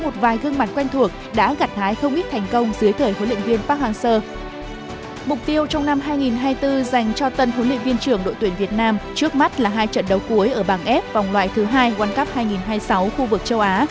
tân huấn luyện viên trưởng đội tuyển việt nam trước mắt là hai trận đấu cuối ở bảng f vòng loại thứ hai world cup hai nghìn hai mươi sáu khu vực châu á